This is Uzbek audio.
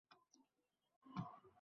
aql-u hushim tamoman boshimdan uchgan